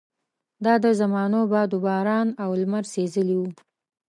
دا د زمانو باد وباران او لمر سېزلي وو.